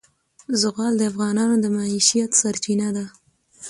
زغال د افغانانو د معیشت سرچینه ده.